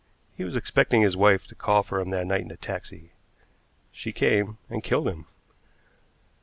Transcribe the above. He was expecting his wife to call for him that night in a taxi. She came, and killed him.